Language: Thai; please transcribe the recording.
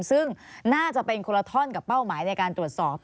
ซึ่งน่าจะเป็นคนละท่อนกับเป้าหมายในการตรวจสอบ